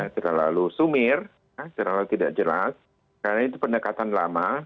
terlalu sumir terlalu tidak jelas karena itu pendekatan lama